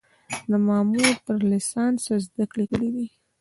زما مور تر لیسانسه زده کړې کړي دي